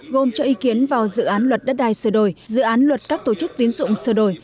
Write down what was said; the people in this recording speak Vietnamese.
gồm cho ý kiến vào dự án luật đất đai sửa đổi dự án luật các tổ chức tiến dụng sửa đổi